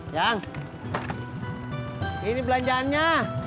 yang ini belanjaannya